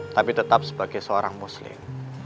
tapi tetap sebagai seorang muslim